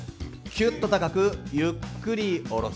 きゅっと高くゆっくり下ろす。